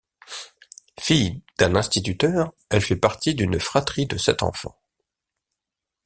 Fille d'un instituteur, elle fait partie d'une fratrie de sept enfants.